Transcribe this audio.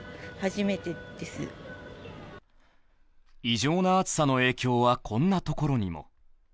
異常な暑さの影響はこんなところにも。